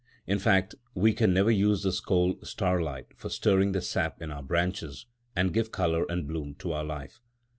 In fact, we can never use this cold starlight for stirring the sap in our branches, and giving colour and bloom to our life.